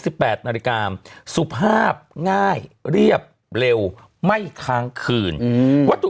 แปดนาฬิกาสุภาพง่ายเรียบเร็วไม่ค้างคืนอืมวัตถุ